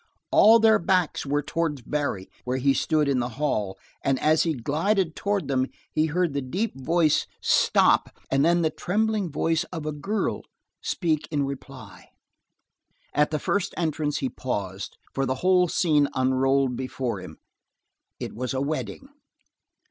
All their backs were towards Barry, where he stood in the hall, and as he glided toward them, he heard the deep voice stop, and then the trembling voice of a girl speak in reply. At the first entrance he paused, for the whole scene unrolled before him. It was a wedding.